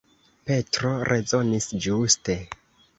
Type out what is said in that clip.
Petro rezonis ĝuste.